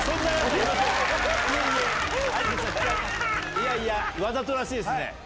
いやいやわざとらしいっすね。